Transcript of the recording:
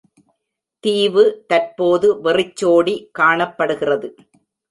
தீவு தற்போது வெறிச்சோடி காணப்படுகிறது.